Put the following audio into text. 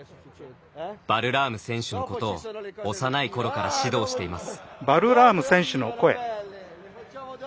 バルラーム選手のことを幼いころから指導しています。